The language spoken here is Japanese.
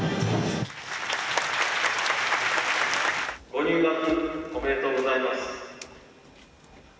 ご入学おめでとうございます。